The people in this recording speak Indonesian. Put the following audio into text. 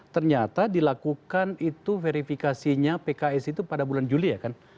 ternyata dilakukan itu verifikasinya pks itu pada bulan juli ya kan